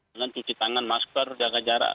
dengan cuci tangan masker jaga jarak